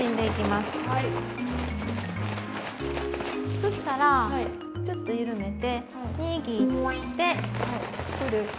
そしたらちょっと緩めて握ってふる。